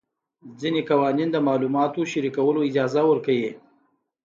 ځینې قوانین د معلوماتو شریکولو اجازه ورکوي.